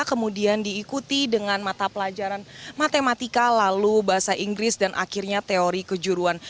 kemudian diikuti dengan mata pelajaran matematika lalu bahasa inggris dan akhirnya teori kejuruan